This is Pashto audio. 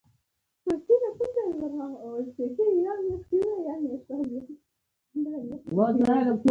ازادي راډیو د عدالت د اغیزو په اړه مقالو لیکلي.